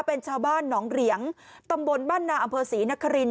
เป็นชาวบ้านหนองเหรียงตำบลบ้านนาอำเภอศรีนคริน